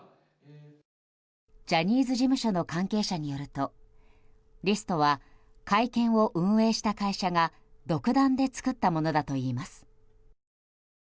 ジャニーズ事務所の関係者によるとリストは会見を運営した会社が独断で作ったものだといいます。